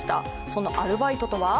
そのアルバイトとは？